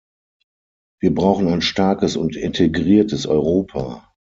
Wir brauchen ein starkes und integriertes Europa.